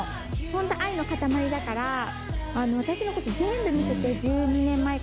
ホント愛の塊だから私のこと全部見てて１２年前から。